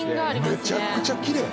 めちゃくちゃきれい！